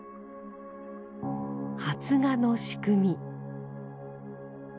発芽の仕組み。